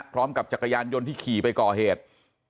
จักรยานยนต์ที่ขี่ไปก่อเหตุ